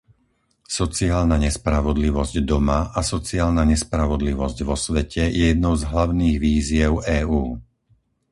Sociálna nespravodlivosť doma a sociálna nespravodlivosť vo svete je jednou z hlavných výziev EÚ.